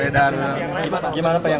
ada apa pak